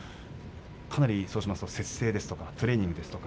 かなり節制ですとかトレーニングですとか。